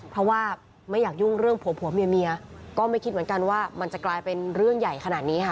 เพราะว่าไม่อยากยุ่งเรื่องผัวผัวเมียก็ไม่คิดเหมือนกันว่ามันจะกลายเป็นเรื่องใหญ่ขนาดนี้ค่ะ